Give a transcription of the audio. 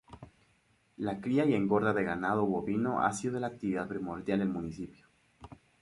La cría y engorda de ganado bovino ha sido la actividad primordial del municipio.